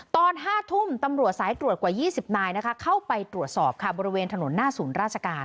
ตอน๕ทุ่มตำรวจสายตรวจกว่า๒๐นายเข้าไปตรวจสอบค่ะบริเวณถนนหน้าศูนย์ราชการ